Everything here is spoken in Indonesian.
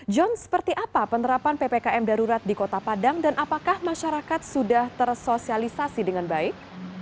john seperti apa penerapan ppkm darurat di kota padang dan apakah masyarakat sudah tersosialisasi dengan baik